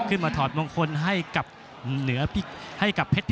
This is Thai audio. ขึ้นมาถอดมงคลให้กับเผ็ดภิคาต